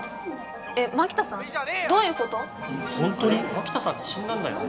槙田さんって死んだんだよね？